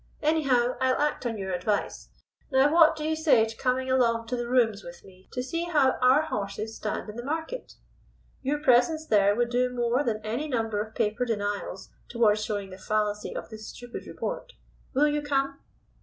Anyhow, I'll act on your advice. Now what do you say to coming along to the Rooms with me to see how our horses stand in the market? Your presence there would do more than any number of paper denials towards showing the fallacy of this stupid report. Will you come?"